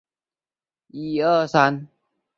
于西人口变化图示